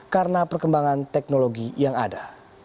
karena perkembangan teknologi yang ada